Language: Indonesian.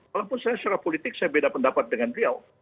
walaupun secara politik saya berbeda pendapat dengan beliau